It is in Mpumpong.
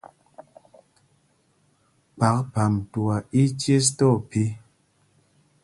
Kphák Phamtuá í í cēs tí ophī.